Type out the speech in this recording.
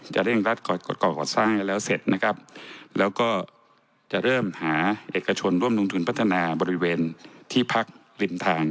เร่งรัดก่อก่อสร้างให้แล้วเสร็จนะครับแล้วก็จะเริ่มหาเอกชนร่วมลงทุนพัฒนาบริเวณที่พักริมทาง